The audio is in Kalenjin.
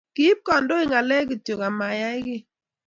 Kiib kandoik ng'aleek kityo ama yaei kiy